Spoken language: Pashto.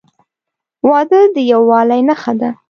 • واده د یووالي نښه ده.